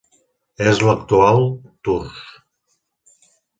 És l'actual Tours.